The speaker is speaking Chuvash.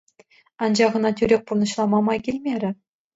Анчах ӑна тӳрех пурнӑҫлама май килмерӗ.